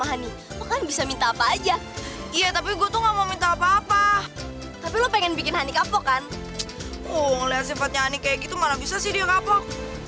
oh ngeliat sifatnya honey kayak gitu mana bisa sih dia kapok